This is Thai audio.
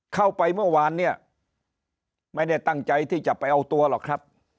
เข้าไปเมื่อวานเนี่ยไม่ได้ตั้งใจที่จะไปเอาตัวหรอกครับ